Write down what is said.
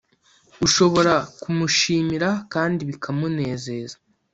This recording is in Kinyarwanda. ushobora kumushimira kandi bikamunezeza